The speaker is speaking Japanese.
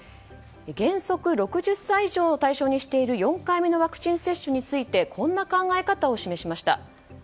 原則６０歳以上を対象にしている４回目のワクチン接種についてこんな考え方を示しました。